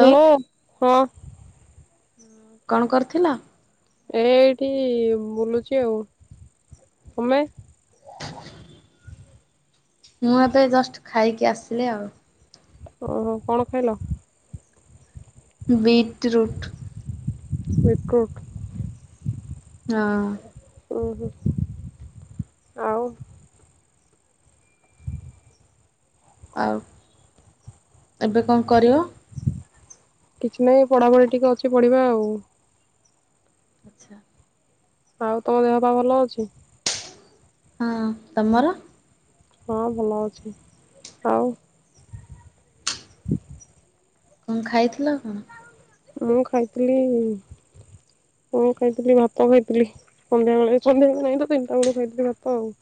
Hello ହଁ। କଣ କରୁଥିଲ। ଏ ଏଇଠି ବୁଲୁଛି ଆଉ। ତମେ? ମୁଁ ଏବେ ଜଷ୍ଟ ଖାଇକି ଆସିଲି ଆଉ। ଓହୋ କଣ ଖାଇଲ। ବିଟ୍ରୁଟ୍। ବେକକ୍ ହଁ ଓହ। ଆଉ। ଆଉ ଏବେ କଣ କରିବ। କିଛି ନାହିଁ ପଢାପଢି ଟିକେ ଅଛି ପଢିବା ଆଉ। ଆଚ୍ଛା। ଆଉ ତମ ଦେହ ପା ଭଲ ଅଛି। ହଁ ତମର? ହଁ ଭଲ ଅଛି ଆଉ। କଣ ଖାଇଥିଲ? ମୁଁ ଖାଇଥିଲି ମୁଁ ଖାଇଥିଲି ଭାତ ଖାଇଥିଲି ସନ୍ଧ୍ୟାବେଳେ ସନ୍ଧ୍ୟାବେଳେ ନହିଁ ତ ତିନିଟା ବେଳୁ ଖାଇଥିଲି ଭାତ ଆଉ।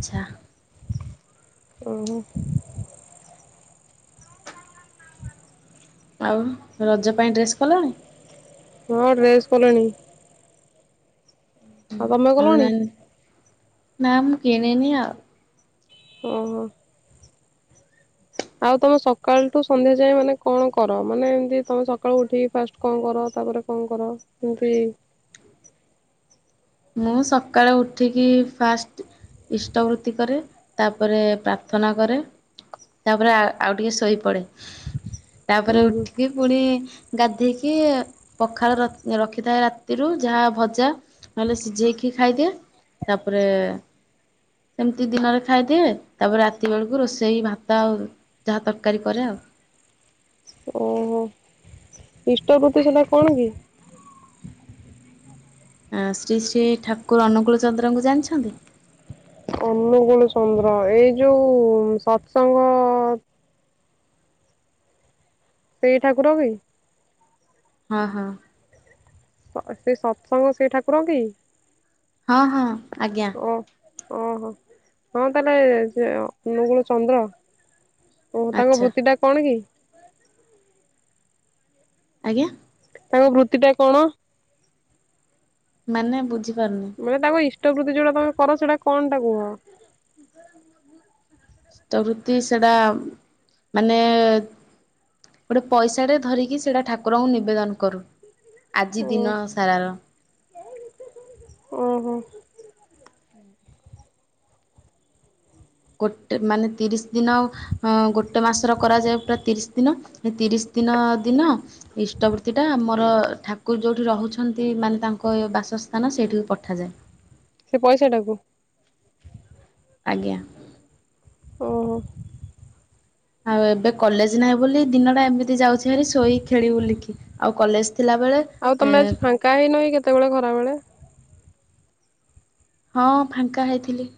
ଆଚ୍ଛା। ଓ ଆଉ ରଜ ପାଇଁ ଡ୍ରେସ୍ କଲଣି। ହଁ ଡ୍ରେସ୍ କଲଣି। ଆଉ ତମେ କଲଣି। ଅନଲାଇନ୍ ନା ମୁଁ କିଣିନି ଆଉ। ଓ ହୋ। ଆଉ ତମେ ସକାଳ ଠୁ ସନ୍ଧ୍ୟା ଯାଏ ମାନେ କଣ କର। ମାନେ ଏମତି ତମେ ସକାଳୁ ଉଠିକି ଫାଷ୍ଟ କଣ କର ତାପରେ କଣ କର ଏମତି। ମୁଁ ସକାଳୁ ଉଠିକି ଫାଷ୍ଟ ଇଷ୍ଟବୃତ୍ତି କରେ ତାପରେ ପ୍ରାର୍ଥନା କରେ ତାପରେ ଆଉ ଟିକେ ଶୋଇପଡ଼େ। ଉୁଁ ତାପରେ ହୁଁ ଉଠିକି ପୁଣି ଗାଧେଇକି ପଖାଳ ରଖିଥାଏ ରାତିରୁ ଯାହା ଭଜା ନହେଲେ ସିଝେଇକି ଖାଇଦିଏ। ତାପରେ ସେମିତି ଦିନରେ ଖାଇଦିଏ ତାପରେ ରାତି ବେଳକୁ ରୋଷେଇ ଭାତ ଆଉ ଯାହା ତରକାରୀ କରେ ଆଉ। ଓହୋ ଇଷ୍ଟର [inaudible] ତୁ ସେଟା କଣ କି ଶ୍ରୀ ଶ୍ରୀ ଠାକୁର ଅନୁକୂଳ ଚନ୍ଦ୍ରଙ୍କୁ ଜାଣିଛନ୍ତି। ଅନୁଗୁଳ ଚନ୍ଦ୍ର ଏଇ ଯୋଉ ସତ୍ସଙ୍ଗ ସେଇ ଠାକୁର କି? ହଁ ହଁ। ସେ ସତ୍ସଙ୍ଗ ସେ ଠାକୁର କି। ହଁ ହଁ। ଆଜ୍ଞା। ଓ ଓହୋ ହଁ ତାହେଲେ ସେ ଅନୁଗୁଳୂ ଚନ୍ଦ୍ର। ଓ ତାଙ୍କ ଆଚ୍ଛା ବୃତ୍ତି ଟା କଣ କି। ଆଜ୍ଞା। ତାଙ୍କ ବୃତ୍ତି ଟା କଣ। ମାନେ ବୁଝି ମାନେ ତାକୁ ଟବୃତ୍ତି ଯୋଉଟା ତମେ କର ସେଇଟା କଣ ଟା କୁହ। ବୃତ୍ତି ସେଟା ମାନେ ଗୋଟେ ପଇସାଟେ ଧରିକି ସେଇଟା ଠାକୁରଙ୍କୁ ନିବେଦନ କରୁ। ଆଜି ଓ ଦିନ ସାରା। ଓହୋ [inaudible] ଗୋଟେ ମାନେ ତିରିଶ ଦିନ ଅଂଅଂ ଗୋଟେ ମାସର କରାଯାଏ ପୁରା ତିରିଶ ଦିନ ତିରିଶ ଦିନ ଦିନ ଇଷ୍ଟବୃର୍ତ୍ତିଟା ମୋର ଠାକୁର ଯୋଉଠି ରହୁଛନ୍ତି। ମାନେ ତାଙ୍କ ବାସସ୍ଥାନ ସେଇଠିକୁ ପଠାଯାଏ। ସେ ପଇସା ଟାକୁ। ଆଜ୍ଞା। ଓହୋ। ଆଉ ଏବେ କଲେଜ ନାହିଁ ବୋଲି ଦିନଟା ଏମିତି ଯାଉଛି। ହାରି ଶୋଇ ଖେଳିବୁଲିକି ଆଉ କଲେଜ ଥିଲାବେଳେ ଆଉ ଏ ତମେ ଆଜି ଫାଙ୍କା ହେଇନ କେତେବେଳେ ଖରାବେଳେ। ହଁ ଫାଙ୍କା ହେଇଥିଲି।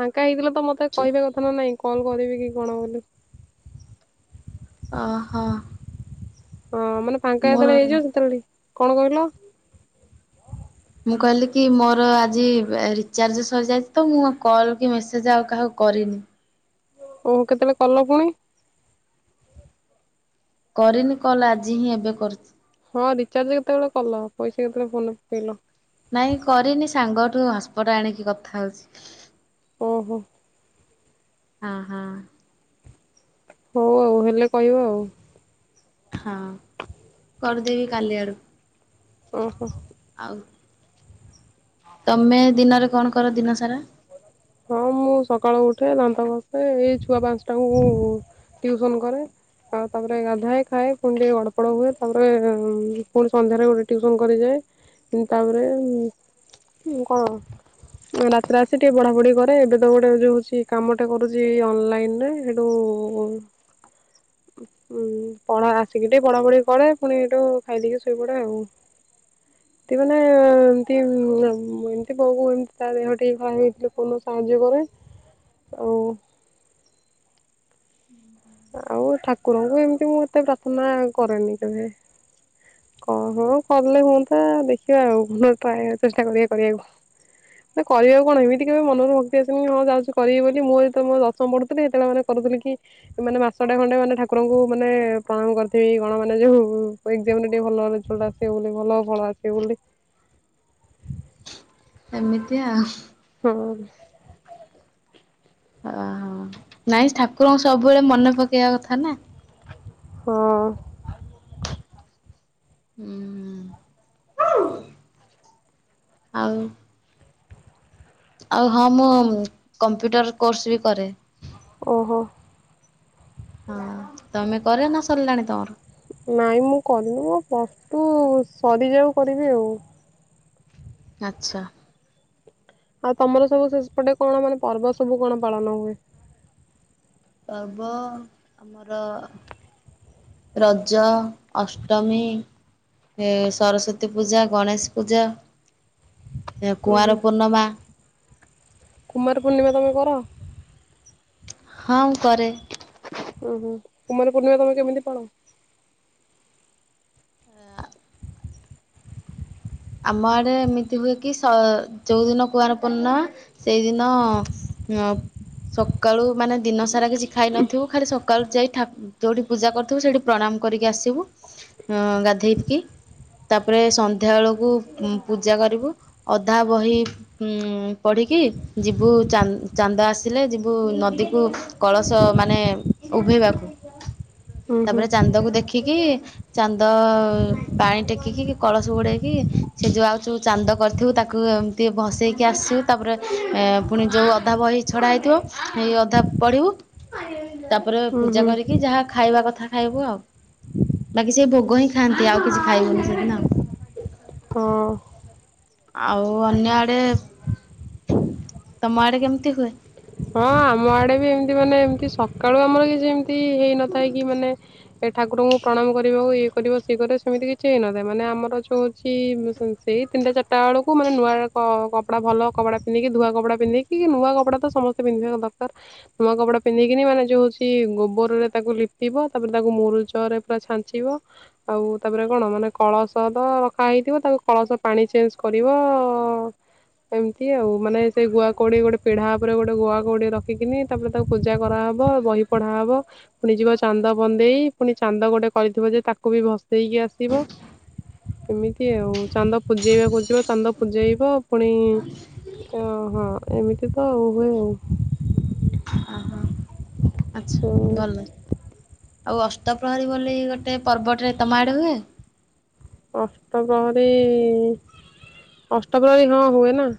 ଫାଙ୍କା ହେଇଥିଲ ତ ମତେ ଚୁ କହିବା କଥା ନା ନାଇଁ। କଲ୍ କରିବି କି କଣ ବୋଲି। ଅ ହ ହଁ ମାନେ ଫାଙ୍କା ଯେତେଳେ ହେଇଯିବ ସେତେବେଳେ କଣ କହିଲ। ମୁଁ କହିଲି କି ମୋର ଆଜି ଏ ରିଚାର୍ଜ ସରିଯାଇଛି। ତ ମୁଁ କଲ୍ କି ମେସେଜ ଆଉ କାହାକୁ କରିନି ଓହୋ କେତେବେଳେ କଲ ପୁଣି। କରିନି କଲ ଆଜି ହିଁ ଏବେ କରୁଛି। ହଁ ରିଚାର୍ଜ କେତେବେଳେ କଲ ପଇସା କେତେବେଳେ ଫୋନ୍ ରେ ପକଇଲ। ନାଇଁ କରିନି ସାଙ୍ଗଠୁ ହଟ୍ସପଟ ଆଣିକି କଥା ହଉଛି। ଓ ହୋ। ହଁ ହଁ। ହଉ ଆଉ ହେଲେ କହିବ ଆଉ ହଁ। କରିଦେବି କାଲି ଆଡ଼କୁ। ଓହୋ। ଆଉ। ତମେ ଦିନରେ କଣ କର ଦିନ ସାରା। ହଁ ମୁଁ ସକାଳୁ ଉଠେ ଦାନ୍ତ ଘସେ ଏଇ ଛୁଆ ପାଞ୍ଚଟାଙ୍କୁ ଟିଉସନ କରେ। ଆଉ ତାପରେ ଗାଧାଏ ଖାଏ ପୁଣି ଟିକେ ଗଡ଼ପଡ଼ ହୁଏ ତାପରେ ପୁଣି ସନ୍ଧ୍ୟାରେ ଗୋଟେ ଟିଉସନ୍ କରିଯାଏ। ତାପରେ କଣ ରାତିରେ ଆସି ଟିକେ ବଢ଼ାପଢ଼ି କରେ ଏବେ ତ ଗୋଟେ ଯୋଉ ହଉଛି କାମଟେ କରୁଛି। ଅନଲାଇନରେ ସେଠୁ ପଢ ଆସିକି ଟିକେ ପଢାପଢି କରେ ପୁଣି ଏଠୁ ଖାଇଦକି ଶୋଇପଡ଼େ। ଆଉ ଏଠ ମାନେ ଏମତି ଏମିତି ବୋଉ ଏମତି ତା ଦେହ ଟିକେ ଖରାପ ହେଇଥିଲା। ପୁଲ୍ ସାହାଯ୍ୟ କରେ ଆଉ ଆଉ ଠାକୁରଙ୍କୁ ଏମିତି ମୁଁ ଏତେ ପ୍ରାର୍ଥନା କରେନି କେବେ। କ ହଁ କରଲେ ହୁଅତା ଦେଖିବା ଆଉ ଟ ଚେଷ୍ଟା କରିବା କରିବାକୁ। ନା କରିବା କଣ ଏମତି କେବେ ମନରୁ ସି ହଁ ଯାଉଛି କରିବି ବୋଲି ମୁଁ ଯ ଦଶମ ପଢୁଥିଲି ସେତେବେଳେ ମାନେ କରୁଥିଲ କି ମାନେ ମାସଟା ଖଣ୍ଡେ ମାନେ ଠାକୁରଙ୍କୁ ମାନେ ପ୍ରଣାମ କରିଥିବି ଗଣ ମାନେ ଯୋଉ ଭଲରେଲଟ ଆସ ବୋଲି ଭଲ ଫଳ ଅସି ବ ବୋଲି। ଏମିତିଆ। ହଁ [inaudible] ଓହୋ ନାଇଁ ଠାକୁରଙ୍କୁ ସବୁବେଳେ ମନେ ପକେଇବା କଥା ନା। ହଁ। [inaudible] ହୁଁ। ଆଉ ଆଉ ହଁ ମୁଁ କମ୍ପ୍ୟୁଟର କୋର୍ସ ବି କରେ। ଓହୋ। ହଁ ତମେ କରେ ନା ସରିଲାଣି ତମର। ନାଇଁ ମୁଁ କନୁ ମୋ ପଷ୍ଟୁ ସରିଯାଉ କରିବି ଆଉ। ଆଚ୍ଛା। [inaudible] ଆଉ ତମର ସବୁ ଶେଷପଟେ କଣ ମାନେ ପର୍ବ ସବୁ କଣ ପାଳନ ହୁଏ। ପର୍ବ ଆମର ରଜ ଅଷ୍ଟମୀ ସରସ୍ଵତୀ ପୂଜା ଗଣେଶ ପୂଜା। ଉଁ ହୁଁ କୁଆଁର ପୂର୍ଣ୍ଣିମା। କୁମାର ପୂର୍ଣ୍ଣିମା ତୁମେ କର। ହଁ କରେ। ଓହୋ କୁମାର ପୂର୍ଣ୍ଣିମା ତମେ କେମିତି ପାଳ। ଆମ ଆଡ଼େ ଏମିତି ହୁଏ କି ସ ଯଉଁଦିନ କୁଆର ପୂର୍ଣ୍ଣିମା ସେଇଦିନ ସକାଳୁ ମାନେ ଦିନ ସାରା କିଛି ଖାଇନଥିବୁ ଖାଲି ସକାଳୁ ଯାଇ ଯଉଠି ପୂଜା କରିଥିବୁ ସେଇଠି ପ୍ରଣାମ କରିକି ଆସିବୁ ଗାଧୋଇକି ତାପରେ ସନ୍ଧ୍ୟାବେଳକୁ ବୁ ପୂଜା କରିବୁ ଅଧା ବହି ଉ ପଢ଼ିକି ଯିବୁ ଚା ଚାନ୍ଦ ଆସିଲେ ଯିବୁ ନଦୀକୁ କଳସ ମାନେ ଉଭେଇବାକୁ। ହୁଁ ତାପରେ ଚାନ୍ଦକୁ ଦେଖିକି ଚାନ୍ଦ ପାଣି ଟେକିକି କଳସ ବୁଡ଼େଇକି ସେ ଯୋଉ ଆଉ ଯୋଉ ଚାନ୍ଦ କରିଥିବୁ ତାକୁ ଏମିତି ଭସେଇକି ଆସିବୁ ତାପରେ ପୁଣି ଯୋଉ ଅଧା ବହି ଛଡ଼ା ହେଇଥିବ ହେଇ ଅଧା ପଢ଼ିବୁ। ତାପରେ ହୁଁ ପୂଜା ହୁଁ କରିକି ଯାହା ଖାଇବା କଥା ଖାଇବୁ ଆଉ ବାକି ସେଇ ଭୋଗ ହିଁ ଖାଆନ୍ତି ଆଉ କିଛି ଖାଇବୁନି ସେଦିନ। ହଁ। ଆଉ ଅନ୍ୟ ଆଡ଼େ ତମ ଆଡେ କେମିତି ହୁଏ। ହଁ ଆମ ଆଡ଼େ ବି ଏମତି ମାନେ ଏମିତି ସକାଳୁ ଆମର କି ଯେମତି ଏ ହେଇ ନଥାଏ କି ମାନେ ଏ ଠାକୁରଙ୍କୁ ପ୍ରଣାମ କରିବାକୁ ଇଏ କରିବ ସିଏ କରିବା ସେମିତି କିଛି ହେଇନଥାଏ ମାନେ ଆମର ଯେଉ ହେଉଛି ସେଇ ତିନିଟା ଚାରିଟା ବେଳକୁ ମାନେ ନୂଆ କପଡ଼ା ଭଲ କପଡ଼ା ପିନ୍ଧିକି ଧୂୁଆ କପଡ଼ା ପିନ୍ଧିକି ନୂଆ କପଡ଼ା ତ ସମସ୍ତେ ପିନ୍ଧିବା ଦରକାର ନୂଆ କପଡ଼ା ପିନ୍ଧିକିନି ମାନେ ଯେଉ ହେଉଛି ଗୋବରରେ ତାକୁ ଲିପିବ ତାପରେ ତାକୁ ମୁରୁଚରେ ପୁରା ଛାଞ୍ଚିବ ଆଉ ତାପରେ କଣ ମାନେ କଳସ ତ ରଖାହଇଥିବ ତାକୁ କଳସ ପାଣି ଚେଞ୍ଜ କରିବ ଏମିତି ଆଉ ମାନେ ସେ ଗୁଆ କଉଡ଼ି ଗୋଟେ ପିଢ଼ା ଉପରେ ଗୋଟେ ଗୋଟେ ଗୁଆକୁଉଠଏ ରଖିକିନି ତାପରେ ତାକୁ ପୂଜା କରାହେବ ବହି ପଢ଼ାହବ ପୁଣି ଯିବ ଚାନ୍ଦ ବନ୍ଦେଇ ପୁଣି ଚାନ୍ଦ ଗୋଟେ କରିଥିବ ଯେ ତାକୁ ବି ଭସେଇକି ଆସିବ ଏମିତି ଆଉ ଚାନ୍ଦ ପୂଜେଇବାକୁ ଯିବ ଚାନ୍ଦ ପୂଜେଇବ ପୁଣି ହଁ ଏମିତି ତ ଆଉ। ହୁଅ ଓହୋ [inaudible] ଆଚ୍ଛା ଭଲ। ଆଉ ଅସ୍ତପ୍ରହରୀ ବୋଲି ଗୋଟେ ପର୍ବଟରେ ତମା ଆଡ଼େ ହୁଏ। ଅଷ୍ଟ ପ୍ର୍ରହରୀ ଅଷ୍ଟବ୍ରହରୀ ହଁ ହୁଏ ନା। [inaudible]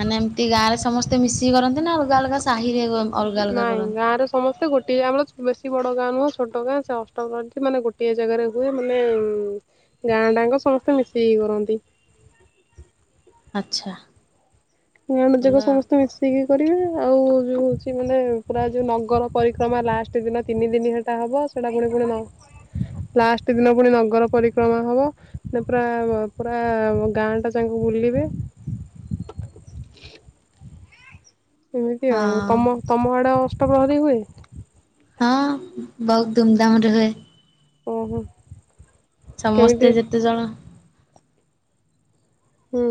ମାନେ ଏମିତି ଗାଁ ରେ ସମସ୍ତେ ମିଶିକି କରନ୍ତି ନା ଆଉ ଅଲଗା ଅଲଗା ସାହିରେ ଅଲଗା ଅଲଗା କରନ୍ତି। ଟିଏ ଆମଳ ବେଶୀ ବଡ ଗାଁ ନୁହଁ ଛୋଟ ଗାଁ ସେ ଅଷ୍ଟମ ପ ମାନେ ଗୋଟିଏ ଜାଗାରେ ହୁଏ ମାନେ ଗାଁ ଟାଙ୍କ ସମସ୍ତେ ମିଶିକି କରନ୍ତି। ଆଚ୍ଛା ଗାଣ ଭଲ ଯକ ସମସ୍ତେ ମିଶେଇକି କରିବେ ଆଉ ଯୋଉ ହଉଛି ମାନେ ପୁରା ଯୋଉ ନଗର ପରିକ୍ରମା ଲାଷ୍ଟ ଦିନ ତିନି ଦିନ ସେଟା ହବ ସେଟା ପୁଣି ପୁଣି ଲାଷ୍ଟ ଦିନ ପୁଣି ନଗର ପରିକ୍ରମା ହବ ନା ପୁରା ପୁରା ଗାଁ ଟା ତାଙ୍କୁ ବୁଲିବେ ଏମିତି ଆଉ ହଁ। ତମ ତମ ଆଡ଼ ପ୍ରହଦୀ ହୁଏ ହଁ ବହୁତ ଧୁମ ଧାମ ରହେ ଓହୋ କେମିତି ସମସ୍ତେ ଯେତେ ଜଣ ହୁଁ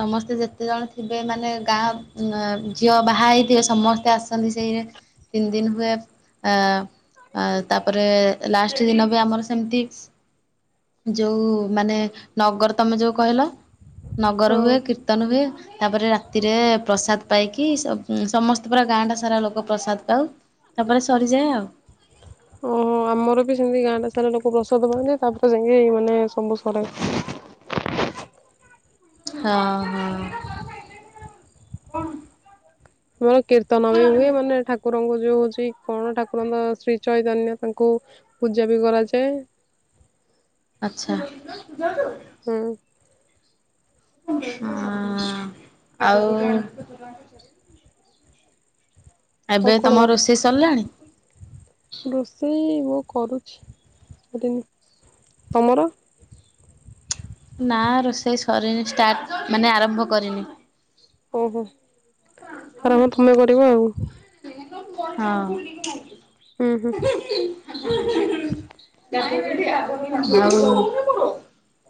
ସମସ୍ତେ ଯେତେ ଜଣ ଥିବେ ମାନେ ଗାଁ ଝିଅ ବାହା ହେଇଥିବେ ସମସ୍ତେ ଆସନ୍ତି ସେଇରେ ତିନି ଦିନ ହୁଏ, ତାପରେ ଲାଷ୍ଟ ଦିନ ବି ଆମର ସେମିତି ଯୋଉ ମାନେ ନଗର ତମେ ଯୋଉ କହିଲ ଘର ହଁ ହୁଏ, କୀର୍ତନ ହୁଏ। ତାପରେ ରାତିରେ ପ୍ରସାଦ ପାଇକି ସମସ୍ତେ ପୁରା ଗାଁ ଟା ସାରା ଲୋକ ପ୍ରସାଦ ପାଉ। ତାପରେ ସରିଯାଏ ଆଉ। ଓହୋ ଆମର ବି ସେମତି ଗାଁଟା ସାରା ଲୋକ ପ୍ରସାଦ ପାଆନ୍ତି ତାପରେ ସେି ମାନେ ସବୁ ସରେ ହଁ ହଁ। ହଁ କୀର୍ତ୍ନ ବି ହୁଏ ମାନେଠ ଠାକୁରଙ୍କ ଯୋଉ ହଉଛି କଣ ଠାକୁରଙ୍କ ଶ୍ରୀ ଚୈତନ୍ୟ ତାଙ୍କୁ ପୂଜା ବି କରାଯାଏ। ଆଚ୍ଛା ହୁଁ ହଁ ଆଉ। ଆଉ ଏବେ କଣ ତମ ତ ରୋଷେଇ ସରିଲାଣି। ରୋଷେଇ ମୁଁ କରୁଛି ତମର। ନା ରୋଷେଇ ସରିନି ଷ୍ଟାର୍ଟ ମାନେ ଆରମ୍ଭ କରିନି। ଓହୋ। ଆରମ ତମେ କର ଆଉ। ହୁଁ ହୁଁ ହଁ [inaudible] [inaudible]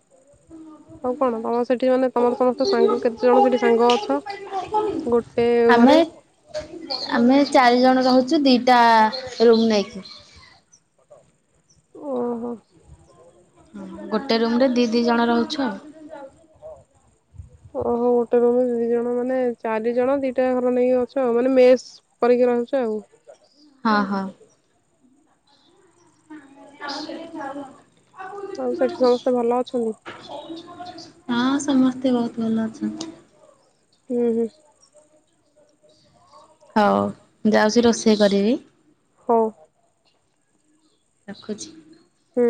ଆଉ କଣ ତମ ସେଠି ମାନେ ତମର ସମସ୍ତ ସାଙ୍ଗ କେତେ ଜଣ ସେଠି ସାଙ୍ଗ ଅଛି ଗୋଟେ ଘରେ ଆମେ ଆମେ ଚାରି ଜଣ ରହୁଛୁ ଦିଟା ରୁମ୍ ନାଇକି ଓହୋ। ଗୋଟେ ରୁମ ରେ ଦି ଦି ଜଣ ରହୁଛ ଓହୋ ଗୋଟେ ରୁମ ଦି ଜଣ ମାନେ ଚାରି ଜଣ ଦିଟା ଘର ନେଇକି ଅଛ ଆଉ ମାନେ ମେସ୍ କରିକି ରହୁଛ ଆଉ। ଆହ ହ ଆମ ଆଉ ସେଠି ସମସ୍ତେ ଭଲ ଅଛନ୍ତି। ହଁ ସମସ୍ତେ ବହୁତ ଭଲ ଅଛନ୍ତି ହୁଁ ହୁଁ। ହଉ ଯାଉଛି ରୋଷେଇ କରିବି ହଁ ରଖୁଛି ହୁଁ